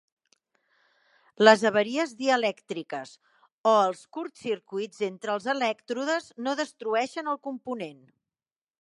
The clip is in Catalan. Les avaries dielèctriques o els curtcircuits entre els elèctrodes no destrueixen el component.